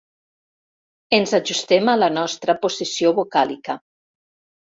Ens ajustem a la nostra possessió vocàlica.